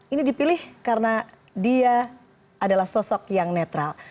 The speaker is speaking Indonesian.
ini dipilih karena dia adalah sosok yang netral